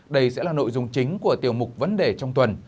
đây sẽ là nội dung chính của tiểu mục vấn đề trong tuần